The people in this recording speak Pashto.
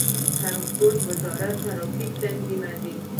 د ترانسپورت وزارت ټرافیک تنظیموي